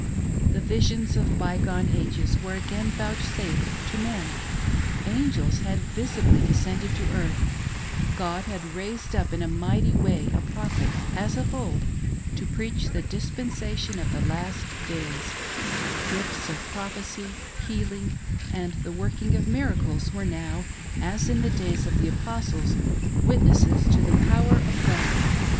The visions of by gone ages were again vouchsafed to men ; angels had visibly descended to earth ; God had raised up in a mighty way a Prophet, as of old, to preach the dispensation of the last days ; gifts of prophecy, healing, and the working of miracles were now, as in the day's of the Apostles, witnesses to the power of God.